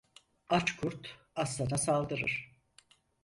Aç kurt arslana saldırır.